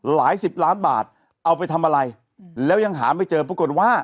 สิบล้านบาทเอาไปทำอะไรแล้วยังหาไม่เจอปรากฏว่า